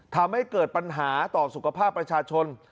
ทำให้เกิดปัญหาต่อสุขภาพประชาชน